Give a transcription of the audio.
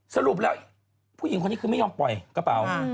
สรุปแล้วผู้หญิงคนนี้คือไม่ยอมปล่อยกระเป๋า